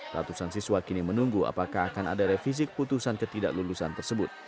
ratusan siswa kini menunggu apakah akan ada revisi keputusan ketidak lulusan tersebut